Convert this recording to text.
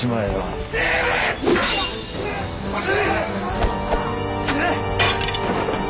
待て！